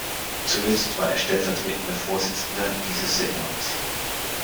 Zuletzt war er stellvertretender Vorsitzender dieses Senats.